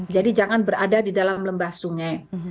jadi jangan berada di dalam lembah sungai